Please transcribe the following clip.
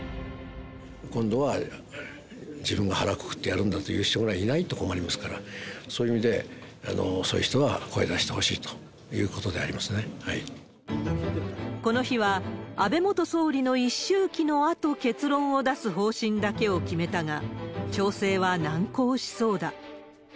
今度は自分が腹くくってやるんだという人がいないと困りますから、そういう意味で、そういう人は声出してほしいということでこの日は、安倍元総理の一周忌のあと結論を出す方針だけを決めたが、調整は難航しそうだ。